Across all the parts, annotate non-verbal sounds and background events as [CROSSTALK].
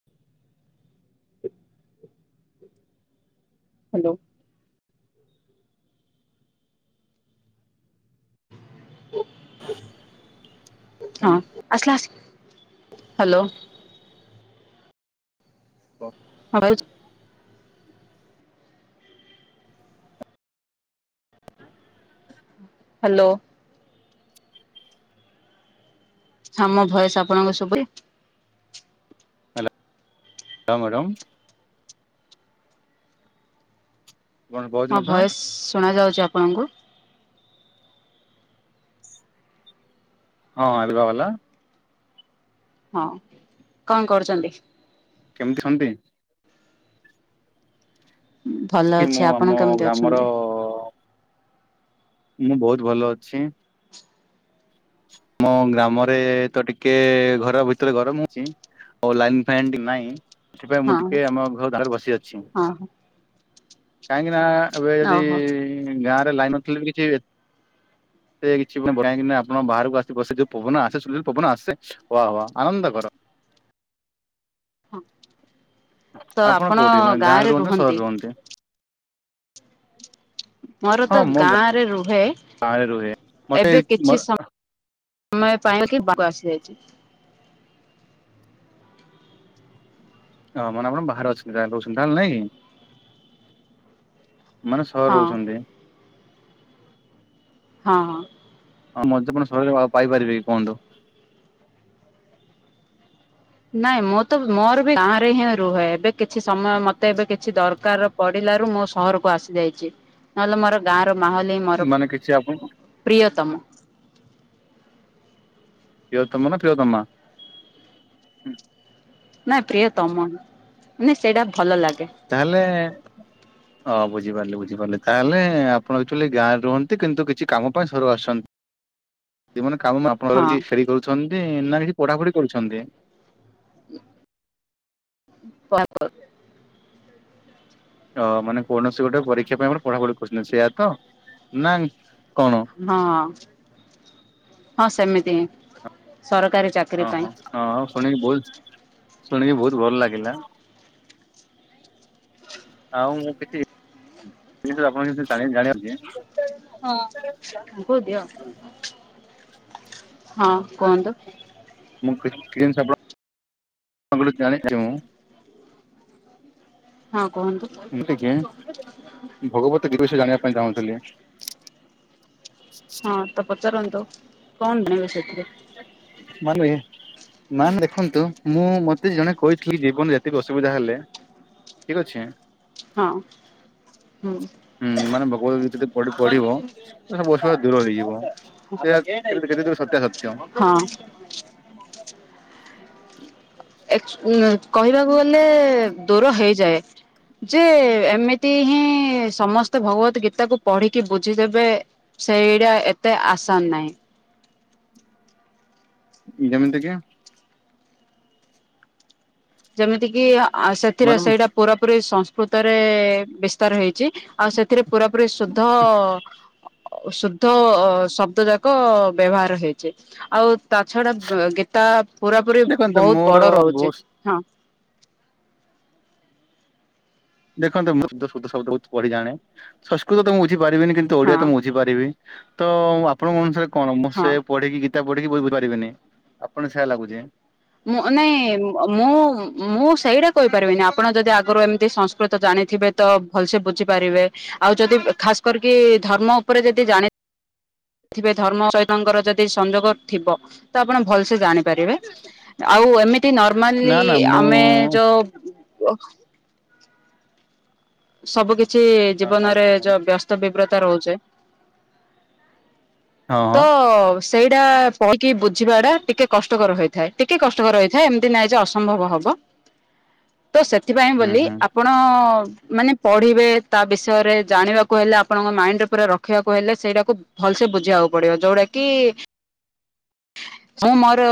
[INAUDIBLE] Hello. ହଁ ଆସିଲ ଆସ୍ ହ୍ୟାଲୋ। କ। [UNINTELLIGIBLE] ହାଲୋ। ଆମ ଭଏସ୍ ଆପଣଙ୍କୁ ସୁଭୁଚି। ରାମ ରାମ। କଣ କହୁଛି ମୋ କଥା ଭଏସ୍ ଶୁଣା ଯାଉଛି ଆପଣଙ୍କୁ। ହଁ ଆଣିବା ବାଲା। ହଁ କଣ କହୁଛନ୍ତି। କେମିତି ଛନ୍ତି। ଭଲ କି ମୁଁ ଅଛି ଆମ ଆପଣ କେମିତି ଗ୍ରାମର ଅଛନ୍ତି? ମୁଁ ବହୁତ ଭଲ ଅଛି। ମୋ ଗ୍ରାମରେ ତ ଟିକିଏ ଘର ଭିତରେ ଗରମ ହଉଛି। ଆଉ ଲାଇନ ଫାଇନ୍ ନାଇଁ ସେଥିପାଇଁ ହଁ ମୁଁ ଟିକିଏ ଆମ ଘର ତାରେ ବସି ଅଛି। ହଁ କାହିକିନା ଏବେ ଯଦି ଓହୋ ଗାଁ ରେ ଲାଇନ ନ ଥିଲେ ବି କିଛି ସେ କିଛି କାହିଁକିନା ଆପଣ ବାହାରକୁ ଆସି ବସେ ଯୋଉ ପବନ ଆସେ ସୁଲୁଲୁ ପବନ ଆସେ ୱା ୱା ଆନନ୍ଦ କର। ହଁ। ତ ଆପଣ ଗାଁରେ ରୁହନ୍ତି। ମୋର ହଁ ତ ମୁଁ ଗାଁରେ ରୁହେ ଗାଁରେ ରୁହେ ମତେ ଏବେ କିଛି ସ ମୟ ପାଇଁ କୁ ଆସିଯାଇଛି। ଅଁ ମାନେ ଆପଣ ବାହାରେ ଅଛନ୍ତି ତା ହେଲେ ନାଇଁ। ମାନେ ସହ ହଁ ରହୁଛନ୍ତି‌। ହଁ। [UNINTELLIGIBLE] ନାଇଁ ମୁଁ ତ ମୋର ବି ଗାଁ ରେ ହିଁ ରୁହେ ଏବେ କିଛି ସମୟ ମତେ ଏବେ କିଛି ଦରକାର ପଢିଲାରୁ ମୋ ସହରକୁ ଆସି ଯାଇଛି। ନହେଲେ ମୋର ଗାଁର ମାହଲ ହିଁ ମୋର ମାନେ କିଛି ଆପଣ ପ୍ରିୟତମ। ଇୟତମ ନା ପ୍ରିୟତମା। ନା ପ୍ରିୟତମନ୍ ନେ ସେଇଟା ଭଲ ଲାଗେ। ତାହଲେ ହଁ ବୁଝିପାରିଲେ ବୁଝିପାରିଲି ତାହେଲେ ଆପଣ ଆକ୍ଚୁଆଲି ଗାଁରେ ରୁହନ୍ତି କିନ୍ତୁ କିଛି କାମ ପାଇଁ ସରୁ ଆସନ୍ ତି ମାନ କାମ ଆପଣଙ୍କର ହଁ କିଛି ସେରି କରୁଛନ୍ତି ନା କିଛି ପଢାପଢି କରୁଛନ୍ତି। [UNINTELLIGIBLE] ଅ ମାନେ କୌଣସି ଗୋଟେ ପରୀକ୍ଷା ପାଇଁ ପଣ ପଢାପଢି କରୁଛନ୍ତି ସେଇଆ ତ ନା କଣ? ହଁ ହଁ ସେମିତି ହିଁ ସରକାରୀ ଚା ହଁ ହଁ ହଁଉ ଶୁଣିକି ବହୁତ ଶୁଣିକି ବହୁତ ଭଲ ଲାଗିଲା। [UNINTELLIGIBLE] ହଁ ବହୁଦିଅ। ହଁ କୁହନ୍ତୁ। [UNINTELLIGIBLE] ହଁ କୁହନ୍ତୁ। ଏତିକ ଭଗବତ ଗିବଷ ଜାଣିବା ଇଁ ଚାହୁଁଥିଲି। ହଁ ତ ପଚାରନ୍ତୁ କଣ ନେବେ ସେଥିରେ। [UNINTELLIGIBLE] ମାନ୍ ଦେଖନ୍ତୁ ମୁଁ ମତେ ଜଣେ କହିଥିଲି ଜୀବନ ଯେତିକି ଅସୁବିଧା ହେଲେ ଠିକ ଅଛେ। ହଁ ହୁଁ। ହୁଁ ମାନେ ଭଗବତ ଗୀତ ଯେ ପଢ଼ି ପଢିବ ସୁ ବସ ଦୂର ହେଇଯିବ ଏୟା କେତେ ତୁ ସତ୍ୟା ସତ୍ୟ। ହଁ ଏକଚୁ ଉଁ କହିବାକୁ ଗଲେ ଦୂର ହେଇଯାଏ। ଯେ ଏମିତି ହିଁ ସମସ୍ତେ ଭଗବତ ଗୀତା କୁ ପଢିକି ବୁଝିଦେବେ। ସେଇଟା ଏତେ ଆସନ ନାହିଁ। [UNINTELLIGIBLE] ଯେମିତି କିି ଆ ସେଥିରେ ମାନେ ସେଇଟା ପୁରାପୁରି ସଂସ୍କୃତରେ ବିସ୍ତାର ହେଇ ଚି ଆଉ ସେଥିରେ ପୁରାପୁରି ଶୁଧ ଓଶୁଦ୍ଧ ଶବ୍ଦ ଯାକ ବ୍ୟବହାର ହେଇଛି ଆଉ ତା ଛଡା ବେ ଗେ ଟା ପୁରା ପୁୀ ଦେଖନ୍ତୁ ବହୁତ ମୋର ବଡ ରହୁଛି ବହୁତ ହଁ ଦେଖନ୍ତ ମୁଁ ଶ ଶବଦ ବହୁ ପଢି ଜାେ ସଂସ୍କୃତ ତ ମୁଁ ବଝିାରିବିନି କିୁ ହଁ ଓଡିଆ ତ ମୁ ବଝି ପାରିବି ତ ଆପଣଙ୍କ ଅନୁସାରେ କଣ ମୁଁ ହଁ। ସେ ପଢିକି କି ବଢିକି ବ ବୁଝପାରିବେନି ଆପଣ ସେୟା ଲାଗୁେ ମୁଁ ନାଇଁ ମୁଁ ମୁଁ ସେଇଟା କହିପାରିବିନି ଆପଣ ଯଦି ଆଗରୁ ଏମିତି ତ ଜାଣିଥିବେ ତ ଭଲସେ ବୁଝିପାରିବେ ଆଉ ଯଦି ଖାସ କରିକି ଧର୍ମ ଉପରେ ଯଦି ଜାଣି ଥିବେ ଧର୍ମ ସହିତଙ୍କର ଯଦି ସଂଯୋଗ ଥିବ ତ ଆପଣ ଭଲସେ ଜାଣିଥେ ଆଉ ଏମିତି ନା ନର୍ମାଲି ନା ମୁଁ ଆମେ ଯୋଉ ସବୁ କିଛି ହଁ ଜୀବନରେ କୁହନ୍ତୁ ଯୋଉ କୁହନ୍ତୁ ବ୍ୟସ୍ତ ବିବ୍ରତା ରହୁଛେ ହଁ ତ ହଁ ସେଇଟା ପକି ବୁଝିବା ଟା ଟିକେ କଷ୍ଟକର ହେଇଥା ଟିକେ କଷ୍ଟକର ରହିଥାଏ ଏମିତି ନହିଁ ଯେ ଅସମ୍ଭବ ହବ ତ ସେଥିପାଇଁ ହୁଁ ବୋଲି ହୁଁ। ଆପଣ ନଅ ମାନେ ପଢିବେ ତା ବିଷୟରେ ଜାଣିବାକୁ ହେଲେ ଆପଣଙ୍କ ମାଇଣ୍ଡ ପୁରା ରଖିବାକୁ ହେଲେ ସେଇଟାକୁ ଭଲସ ବୁଝିବାକୁ ପଡିବ ଯୋଉଟା କି ହଁ ମୋର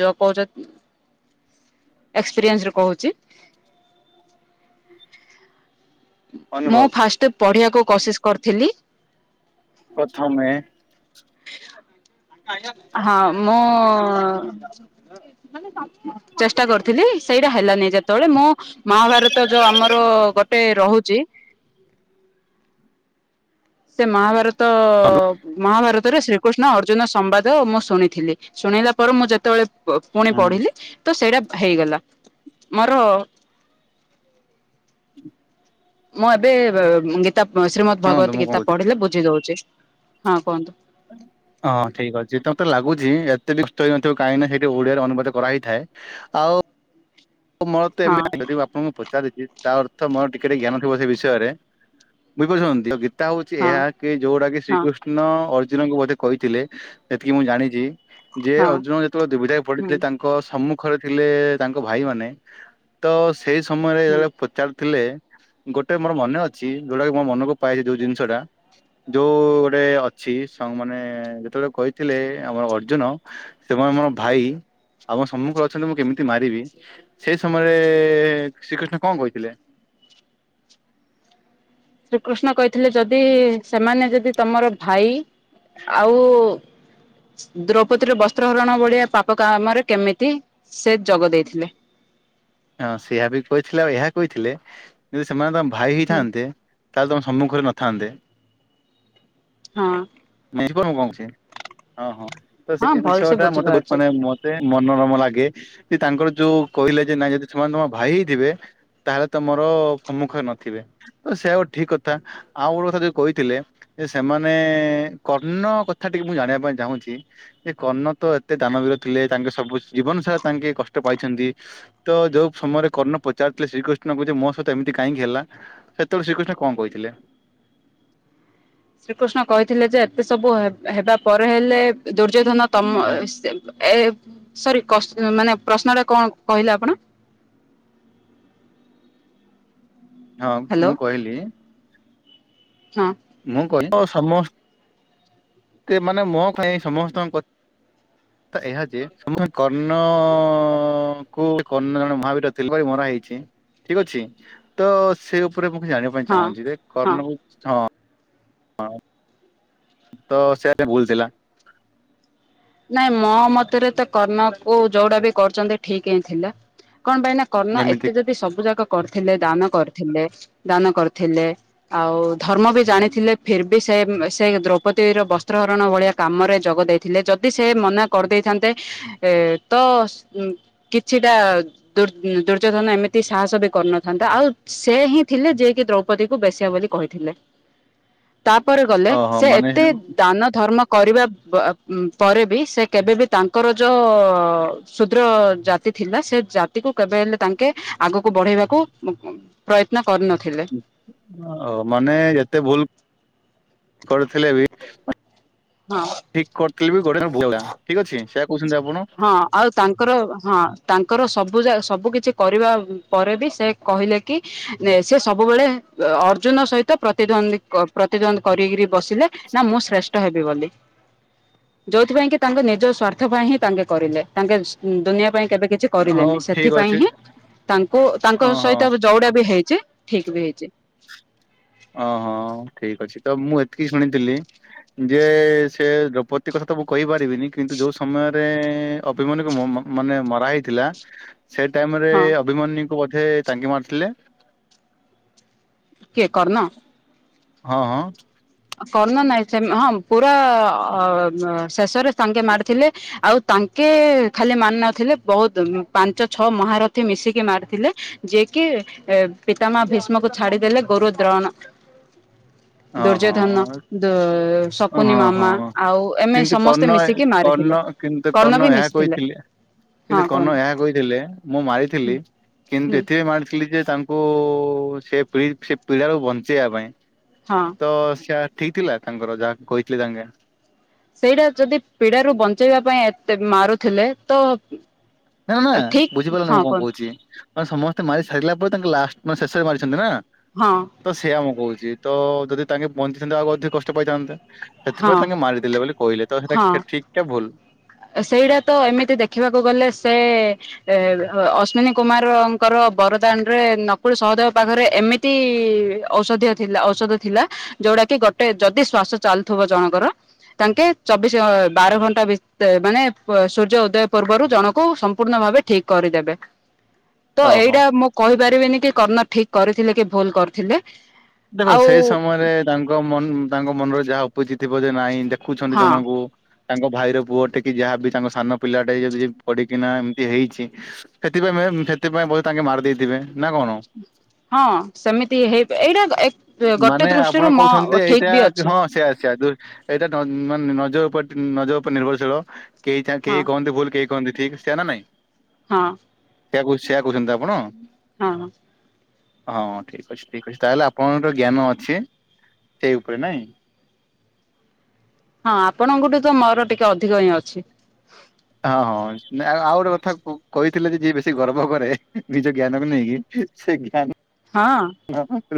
ଯ କହୁଛ ଏକ୍ସପିରିଏନ୍ସରେ କହୁଛି ମୁଁ ଅନୁଭବ ଫାଷ୍ଟ ପଢିବାକୁ କସିିସ କରିଥିଲି ପ୍ରଥମେ ହଁ ମୁଁ ଚେଷ୍ଟା କରିଥିଲି ସେଇଟା ହେଲାନି ଯେତେବେଳେ ମୁଁ ମହାଭାରତ ଯୋଉ ଆମର ଗୋଟେ ହଉଛି ସେ ମହାଭାରତ ମହାଭାରତରେ ଶ୍ରୀ କୃଷ୍ଣ ଅର୍ଜୁନ ସମ୍ବାଦ ମୁଁ ଶୁଣିଥିଲି ଶୁଣିଲା ପରେ ମୁଁ ଯେତେବେଳେ ପୁଣି ହୁଁ ପଢିଲି ତ ସେଇଟା ହେଇଗଲା ମୋର ହଁ ମୁଁ ଏବେ ଗୀତା ଶ୍ରୀମଦ୍ ଶୁଣନ୍ତୁ ଭଗବତୀ ମୁଁ କଣ ଗୀତା କହୁଛି ପଢିଲେ ବୁଝି ଦଉଛି ହଁ କୁହନ୍ତୁ [INAUDIBLE] ହଁ ଠିକ୍ ଅଛି ତମତେ ଲାଗୁଛି ଏତେ ବି ଷ୍ଟୋଇ ନଥିବ କାହିଁକି ନା ସେଇଠି ଓଡିଆରେ ଅନୁବାଦ କରା ହେଇଥାଏ ଆଉ ମୋର ତ ହଁ ଏମ ଆିଲ ଆପଣ ପଚାର ଦେଇଛି ତା ଅର୍ଥ ମୋର ଟିକେ ଟ ଜ୍ଞାନ ଥିବ ସେ ବିଷୟରେ ବୁଝିାରୁଛନ୍ତି ଆଉ ଗୀତ ତା ହଉଛି ହଁ ଏହା କି ଯୋଉଟା କି ହଁ ଶ୍ରୀକୃଷ୍ଣ ଅର୍ଜୁନଙ୍କୁ ବୋଧେ କହିଥିଲେ ସେତିକି ମୁଁ ଜାଣିଛି ଯିଏ ହଁ ଅର୍ଜୁନ ଯେତେବେଳେ ଦୁର୍ବିଧାକ ହୁଁ ପଡିଥିଲେ ତାଙ୍କ ସମ୍ମୁଖରେ ଥିଲେ ତାଙ୍କ ଭାଇମାନୋନ ତ ସେଇ ସମୟରେ ହୁଁ ଯେତବେଳେ ଚାଲଥିଲେ ଗୋଟେ ମୋର ମନେ ଅଛି ଯୋଉଟାକ ମୋ ମନକୁ ପାଛି ଯୋଉ ଜିନିଷଟା ଯୋଉ ଗୋଟେ ଅଛି ମାନେ ଯେତେବେଳେ କହିଥିଲେ ଆମର ଅର୍ଜୁନ ସେମାନେ ମୋର ଭାଇ ଆପ ସମ୍ମୁଖରେ ଅଛନ୍ତି ମୁଁ କେମିତି ମାରିବି ସେଇ ସମୟରେ ଶ୍ରୀକୃଷ୍ଣ କଣ କହିଥିଲେ ଶ୍ରୀକୃଷ୍ଣ କହିଥିଲେ ଯଦି ସେମାନେ ଯଦି ତମର ଭାଇ ଆଉ ଦ୍ରୌପଦୀର ବସ୍ତ୍ରହରଣ ଭଳିଆ ପାପ କାମରେ କେମିତି ସେ ଯୋଗ ଦେଇଥିଲେ ହଁ ସେଇଆ ବି କହିଥିଲେ ଆଉ ଏହା କହିଥିଲେ ଯଦି ସେମାନେ ତଙ୍କ ଭାଇ ହେଇଥାନ୍ତେ ତାହେଲେ ତମ ସମ୍ମୁଖରେ ନଥାନ୍ତେ ହଁ ନି ମୁଁ କହୁଛି ହଁ ହଁ ତ ସେ ହଁ ଜିନିଷ ଭଲସେ ଟା ମତେ ବହୁତ ବୁଝିପାରୁଛି ମାନେ େ ମନୋରମ ଲାଗେ ଯେ ତାଙ୍କର ଯୋଉ କହିଲେ ଯେ ନାଇ ଯଦି ସେମାନେ ତମ ଭାଇ ହେଇ ଥିବେ ତାହେଲେ ତମୋର ସମ୍ମୁଖରେ ନଥିବେ ତ ସେଇୟା ଗୋଟେ ଠିକ କଥା ଆଉ ଗୋଟେ କଥା ଯୋଉ କହିଥିଲେ ଯେ ସେମାନେ କର୍ଣ୍ଣ କଥା ଟିକେ ମୁଁ ଜାଣିବା ପାଇଁ ଚାହୁଁଛି ଏ କର୍ଣ୍ଣ ତ ଏତେ ଦାନବୀର ଥିଲେ ତାଙ୍କେ ସବୁ ଜୀବନ ସାରା ତାଙ୍କେ କଷ୍ଟ ପାଇଛନ୍ତି ତ ଯୋଉ ସମୟରେ କର୍ଣ୍ଣ ପଚାରଥିଲେ ଶ୍ରୀକୃଷ୍ଣ କୁ ଯେ ମୋ ସହିତ ଏମତି କାହିଁକି ହେଲା? ସେତେବେଳେ ଶ୍ରୀକୃଷ୍ଣ କଣ କହିଥିଲେ? ଶ୍ରୀକୃଷ୍ଣ କହିଥିଲେ ଯେ ଏତେ ସବୁ ହେ ହେବା ପରେ ହେଲେ ଦୁର୍ଯ୍ୟୋଧନ ତମ ସେ ଏ ସରି କସ୍ ମାନେ ପ୍ରଶ୍ନ ଟା କଣ କହିଲେ ଆପଣ? ହଁ ହ୍ୟାଲୋ ମୁଁ କହିଲି। ହଁ ମୁଁ କହ ଆ ସମସ୍ତେ ମାନେ ମୋ ଖାଇ ସମସ୍ତଙ୍କୁ କ ହ ତ ଏହା ଯେ ସମସ୍ତେ କର୍ଣ୍ଣ କୁ କର୍ଣ୍ଣ ଜଣେ ମହାବୀର ତେଲବାର ମରା ହେଇଛି ଠିକ ଅଛି ତ ସେ ଉପରେ ମୁଁ କିଛି ଜାଣିବା ପାଇଁ ହଁ ଚାହୁଁଛି ଯେ କର୍ଣ ହଁ। ହଁ ତ ସେ ଭୁଲ ଥିଲା। ନାଇଁ ମୋ ମତରେ ତ କର୍ମକୁ ଯୋଉଟା ବି କରୁଛନ୍ତି ଠିକ ହିଁ ଥିଲା କଣ ପାଇଁ ନା କର୍ଣ ଯେମିତି ଏତେ ଯଦି ସବୁ ଯାକ କରିଥିଲେ ଦାନ କରିଥିଲେ ଦାନ କରିଥିଲେ। ଆଉ ଧର୍ମ ବି ଜାଣିଥିଲେ ଫିର୍ ବି ସେ ସେ ଦ୍ରୌପଦୀର ବସ୍ତ୍ରହରଣ ଭଳିଆ କାମରେ ଯୋଗ ଦେଇଥିଲେ ଯଦି ସେ ମନା କରିଦେଇଥାନ୍ତେ ଏ ତ କିଛିଟା ଦୁର୍ ଦୁର୍ଯ୍ୟୋଧନ ଏମିତି ସାହସ ବି କରିନଥାନ୍ତା ଆଉ ସେ ହିଁ ଥିଲେ ଯିଏ କିି ଦ୍ରୌପ ପତିକୁ ବେଶିବା ବୋଲି କହିଥିଲେ। ତାପରେ ଗଲେ ଓହୋ ସେ ମାନେ ଓ ଏତେ ଦାନ ଧର୍ମ କରିବା ପରେ ବି ସେ କେବେ ବିି ତାଙ୍କର ଯୋ ସୁଦ୍ର ଜାତି ଥିଲା ସେ ତି କେବେ ହେଲେ ତାଙ୍କେ ଆଗକୁ ବଢେଇବାକୁ ପ୍ରୟତ୍ନ କରିନଥିଲେ। ମାନେ ଯେତେ ଭୁଲ୍ କରିୁଥିଲେ ବି ହଁ। ଠିକ୍ କରିଥିଲେ ବି ଗୋଟେ ବି ଠିକ ଅଛି। ସେୟା କହୁଛନ୍ତି ଆପଣ ହଁ। ଆଉ ତାଙ୍କର ହଁ ତାଙ୍କର ସବୁ ଯାକ ସବୁ କିିଛି କରିବା ପରେ ବି ସେ କହିଲେ କି? ସେ ସବୁବେଳେ ଅର୍ଜୁନ ସହିତ ପ୍ରତିଦ୍ୱନ୍ଦୀ ପ୍ରତିଦ୍ୱନ୍ଦ କରିକରି ବସିଲେ ନା ମୁଁ ଶ୍ରେଷ୍ଠ ହେବି ବୋଲି ଯୋଉଥିପାଇଁ କି ତାଙ୍କ ନିଜ ସ୍ୱାର୍ଥ ସ୍ଵାର୍ଥ ପାଇଁ ହିଁ ତାଙ୍କେ କରିଲେ ତାଙ୍କେ ଦୁନିଆ ପାଇଁ କେବେ କିଛି ହଉ କରିଲେନି ଠିକ ସେଥିପାଇଁ ଅଛି ହିଁ ତାଙ୍କୁ ତାଙ୍କ ଓହୋ ସହିତ ଯଉଡା ବି ହେଇଚି। ଠିକ୍ ବି ହେଇଛି। ହଁ ହଁ ଠିକ୍ ଅଛି ତ ମୁଁ ଏତିକି ଶୁଣିଥିଲି ଯେ ସେ ଦ୍ରୌପଦୀ କଥା ତ ମୁଁ କହିପାରିବିନି କିନ୍ତୁ ଯୋଉ ସମୟରେ ଅଭିମନ୍ୟୁ କୁ ମମ ମାନେ ମରା ହେଇଥିଲା। ସେ ଟାଇମ୍ ରେ ହଁ ଅଭିମନ୍ୟୁଙ୍କୁ ବୋଧେ ତାଙ୍କେ ମାରିଥିଲେ। କିଏ କର୍ଣ୍ଣ? ହଁ ହଁ। କର୍ଣ୍ଣ ନାଇଁ ସେ ହଁ ପୁରା ଶେଷରେ ତାଙ୍ଗେ ମାରିଥିଲେ। ଆଉ ତାଙ୍କେ ଖାଲି ମାନିନଥିଲେ ବହୁତ ପାଞ୍ଚ ଛଅ ମହାରଥୀ ମିଶିକି ମାରିଥିଲେ। ଯିଏ କିି ପିତା ମହ ଭୀଷ୍ମ କୁ ଛାଡିଦେଲେ ଗୁରୁ ଦ୍ରୋଣ ହଁ ଦୁର୍ଯ୍ୟୋଧନ ଦୁ ହଁ ସକୁୁନି ହଁ ମାମା ହଁ ଆଉ ଏମ୍ କିନ୍ତୁ ସମସ୍ତେ କର୍ଣ୍ଣ ମିଶିକି ମାରିଥିଲେ କର୍ଣ୍ଣ କିନ୍ତୁ କର୍ଣ୍ଣ ବି ଏହା ମିଶିଥିଲେ। କହିଥିଲେ ହଁ କିନ୍ତୁ କର୍ଣ୍ଣ କୁହନ୍ତୁ ଏହା କହିଥିଲେ ମୁଁ ମାରିଥିଲି ହୁଁ କିନ୍ତୁ ହୁଁ ଏଥିବେ ମାରଥିଲି। ଥିଲି ଯେ ତାଙ୍କୁ ସେ ସେ ପିିଲାକୁ ବଞ୍ଚେଇବା ପାଇଁ ହଁ। ତ ସେଇଆ ଠିକ୍ ଥିଲା ତାଙ୍କର ଯାହା କହିଥିଲି ତାଙ୍କେ ସେଇଟା ଯଦି ପୀଡାରୁ ବଞ୍ଚେଇବା ପାଇଁ ଏତେ ମାରୁଥିଲେ ତ ନା ନା ଠିକ ବୁଝିପାରିଲନି ହଁ ମୁଁ କଣ କୁହନ୍ତୁ କହୁଛି। ମାନେ ସମସ୍ତେ ମାରି ସାରିଲା ପରେ ତାଙ୍କୁ ଲାଷ୍ଟ୍ ମାନେ ଶେଷରେ ମାରିଛନ୍ତି ନା। ହଁ। ତ ସେଇଆ ମୁଁ କହୁଛି ତ ଯଦି ତାଙ୍କେ ବଞ୍ଚିଥାନ୍ତେ ଆଉ ଅଧିକ କଷ୍ଟ ପାଇଥାନ୍ତେ। ହଁ ସେଥିପାଇଁ ତାଙ୍କେ ମାରିଦେଲେ ବୋଲି କହିଲେ ତ ସେଟା ହଁ। ଠିକ୍ ନା ଭୁଲ? ସେଇଟା ତ ଏମିତି ଦେଖିବାକୁ ଗଲେ ସେ ଏ ଅଶ୍ଵିନୀ କୁମାରଙ୍କର ବରଦାନ ରେ ନକୁଳ ସହଦେବ ପାଖରେ ଏମିତି ତି ଔଷଧୀୟ ଥିଲା ଔଷଧ ଥିଲା। ଯୋଉଟା କି ଗୋଟେ ଯଦି ଶ୍ଵାସ ଚାଲୁଥିବ ଜଣଙ୍କର ତାଙ୍କେ ଚବିଶି ବାର ଘଣ୍ଟା ମାନେ ସୂର୍ଯ୍ୟ ଉଦୟ ପୂର୍ବରୁ ଜଣକୁ ସମ୍ପୂର୍ଣ୍ଣ ଭାବେ ଠିକ୍ କରିଦେବେ। ତ ଓହୋ। ଏଇଟା ମୁଁ କହିପାରିବିନି କି କର୍ଣ୍ଣ ଠିକ୍ କରିଥିଲେ କି ଭୁଲ୍ କରିଥିଲେ। ଦେଖ ଆଉ ସେଇ ସମୟରେ ତାଙ୍କ ମନ ତାଙ୍କ ମନରେ ଯାହା ଉପୁଜି ଥିବ ଯେ ନାଇଁ ଏମିତି ଆ ଦେଖୁଛନ୍ତି ହଁ ଜଣଙ୍କୁ। ତାଙ୍କ ଭାଇର ପୁଅ ଟିକି ଯାହା ବିି ତାଙ୍କ ସାନ ପିଲାଟେ ଯଦି ପଡିକିନା ଏମିତି ହେଇଛି। ସେଥିପାଇଁ ମେ ସେଥିପାଇଁ ବହୁତ ତାଙ୍କେ ମାରି ଦେଇଥିବେ ନା କଣ? ହଁ ସେମିତି ହେଇ ପା ଏଇରା ମାନେ ଆପଣ କହୁଛନ୍ତି ଏଇଟା ଅଛି ହଁ ସେଇଆ ସେଇଆ ଦୁ ଏଇଟା ମାନେ ନଜ ଉପ ନଜର ଉପରେ ନିର୍ଭରଶୀଳ କେହି ଚା ହଁ କେହି କହନ୍ତି ଭୁଲ କେହି କହନ୍ତି ଠିକ୍ ସେଆ ନା ନାଇଁ। ହଁ। ସେଇୟା କହୁଚି ସେଇୟା କହୁଛନ୍ତି ତ ଆପଣ ହଁ ହଁ ଠିକ୍ ଅଛି ଠିକ୍ ଅଛି ତାହେଲେ ଆପଣଙ୍କ ର ଜ୍ଞାନ ଅଛି ସେଇ ଉପରେ ନାଇଁ। ହଁ ଆପଣଙ୍କଠୁ ତ ମୋର ଟିକେ ଅଧିକ ହିଁ ଅଛି। ହଁ ହଁ ଆଉ ଗୋଟେ କଥା କହିଥିଲେ ଯେ, ଯିଏ ବେଶୀ ଗର୍ବ କରେ ନିଜ ଜ୍ଞାନକୁ ନେଇକି ସେ ଜ୍ଞାନ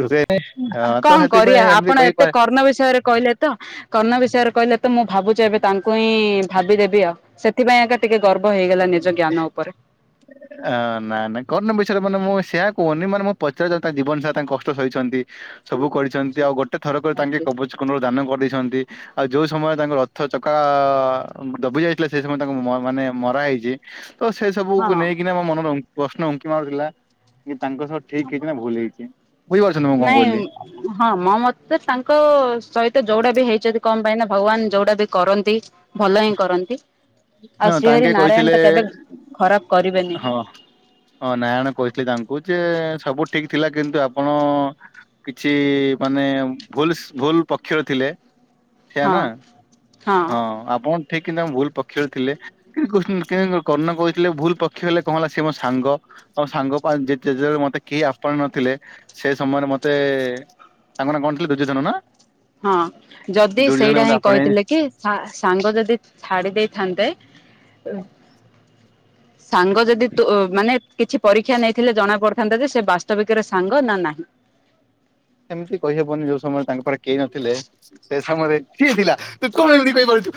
ରୁହେ ହଁ, ତ କଣ ସେଥିପାଇଁ କରିବା ଏମିତି ଆପଣ ଏତେ କହିପାରେ କର୍ଣ୍ଣ ବିଷୟରେ କହିଲେ ତ କର୍ଣ୍ଣ ବିଷୟରେ କହିଲେ ତ ମୁଁ ଭାବୁଛି ଏବେ ତାଙ୍କୁ ହିଁ ଭାବିଦେବି ଆଉ ସେ ସେଥିପାଇଁ ଆକା ଟିକେ ଗର୍ବ ହେଇଗଲା ନିଜ ଜ୍ଞାନ ଉପରେ। ଅ ନା ନା କର୍ଣ୍ଣ ବିଷୟରେ ମାନେ ମୁଁ ସେଆ କହୁନି ମାନେ ମୁଁ ପଚାରିବା ତା ଜୀବନ ସାରା ତାଙ୍କ କଷ୍ଟ ସହିଛନ୍ତି। ସବୁ କରିଛନ୍ତି ଆଉ ଗୋଟେ ଥର କରେ ତାଙ୍କେ କବଚ କୋଣ୍ଡଳ ଦାନ କରିଦେଇଛନ୍ତି ଆଉ ଯୋଉ ସମୟରେ ତାଙ୍କ ରଥ ଚକା ଦବି ଯାଇଥିଲା ସେ ସମୟ ତାଙ୍କୁ ମାନେ ମରା ହେଇଛି ତ ସେ ହଁ ସବୁକୁ ନେଇକିନା ମୋ ମନର ପ୍ରଶ୍ନ ଉଙ୍କି ମାରୁଥିଲା କି ତାଙ୍କ ସହ ଠିକ ହେଇଛି ନା ଭୁଲ ହେଇଛି, ବୁଝିପାରୁଛନ୍ତି ମୁଁ କଣ ନାଇଁ କହିଲି? ହଁ ମୋ ମତେ ତାଙ୍କ ସହିତ ଯୋଉଟା ବି ହେଇଛନ୍ତି କଣ ପାଇଁ ନା ଭଗବାନ ଯୋଉଟା ବି କରନ୍ତି ଭଲ ହିଁ କରନ୍ତି ନା ଆଉ ତାଙ୍କେ ଶ୍ରୀହରି କହିଥିଲେ ନାରାୟଣ ତ କେବେ ଖରାପ କରିବେନି। ହଁ ହଁ ନାରାୟଣ କହିଥିଲେ ତାଙ୍କୁ ଯେ ସବୁ ଠିକ ଥିଲା କିନ୍ତୁ ଆପଣ କିଛି ମାନେ ଭୁଲ ଭୁଲ ପକ୍ଷରେ ଥିଲେ। ସେଆ ନା ହଁ ହଁ ଆପଣ ଠିକ କିନା ଭୁଲ ପ କ୍ଷ ରେ ଥିଲେ କି କର୍ଣ୍ଣ କହୁଥିଲେ ଭୁଲ ପକ୍ଷ ହେଲେ କଣ ହେଲା ସେ ମୋ ସାଙ୍ଗ ଆଉ ସାଙ୍ଗପାଇଁ ଯେତେବେଳେ ମତେ କେହି ଆପଣା ନଥିଲେ ସେ ସମୟରେ ମତେ ତାଙ୍କ ନା କଣ ଥିଲା ଦୁର୍ଯ୍ୟୋଧନ ନା? ହଁ ଯଦି ଦୁର୍ଯ୍ୟୋଧନ ସେଇଟା ମତେ ହିଁ ଆପଣେଇ କହିଥିଲେ କି ସା ସାଙ୍ଗ ଯଦି ଛାଡି ଦେଇଥାନ୍ତେ ସାଙ୍ଗ ଯଦି ତୋ ମାନେ କିଛି ପରୀକ୍ଷା ନେଇଥିଲେ ଜଣା ପଡିଥାନ୍ତା ଯେ ସେ ବାସ୍ତବିକରେ ସାଙ୍ଗ ନା ନାହିଁ। ସେମିତି କହିହବନି ଯୋଉ ସମୟରେ ତାଙ୍କ ପାଖ କେହି ନଥିଲେ ସେ ସମୟରେ କିଏ ଥିଲା ତୁ କଣ ଏମିତି କହିପାରୁଛୁ।